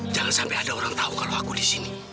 jangan sampai ada orang tahu kalau aku disini